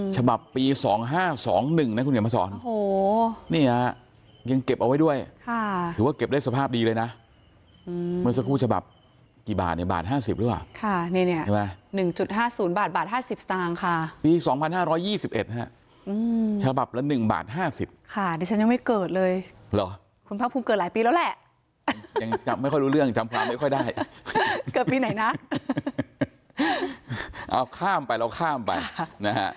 ฉบับปี๒๕๒๑นะคุณเขียนมาสอน